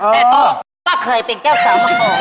แต่โตก็เคยเป็นเจ้าเสาร์เมือง